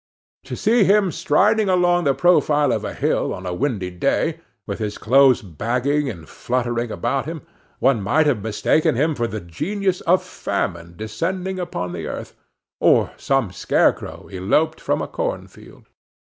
To see him striding along the profile of a hill on a windy day, with his clothes bagging and fluttering about him, one might have mistaken him for the genius of famine descending upon the earth, or some scarecrow eloped from a cornfield.